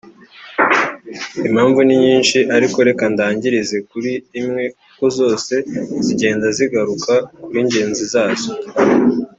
Impamvu ni nyinshi ariko reka ndangirize kuri imwe kuko zose zigenda zigaruka kuri ngenzi zazo